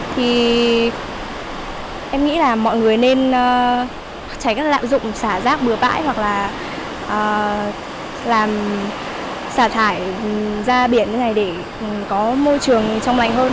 thì em nghĩ là mọi người nên tránh lạm dụng xả rác bừa bãi hoặc là làm xả thải ra biển như thế này để có môi trường trong lành hơn